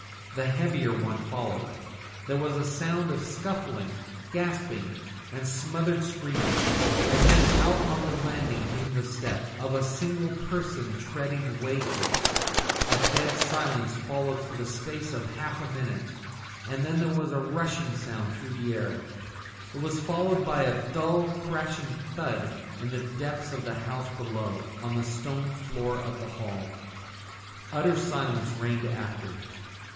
The heavier one followed. There was a sound of scuffling, gasping, and smothered screaming; and then out on to the landing came the step of a single person treading weightily. A dead silence followed for the space of half a minute, and then was heard a rushing sound through the air. It was followed by a dull, crashing thud in the depths of the house below on the stone floor of the hall. Utter silence reigned after.